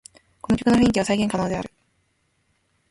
この曲の雰囲気は再現可能である